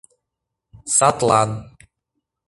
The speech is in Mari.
Садлан.